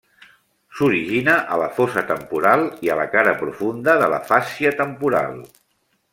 S'origina a la fossa temporal i a la cara profunda de la fàscia temporal.